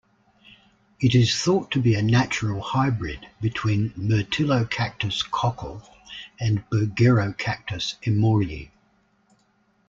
It is thought to be a natural hybrid between "Myrtillocactus cochal" and "Bergerocactus emoryi".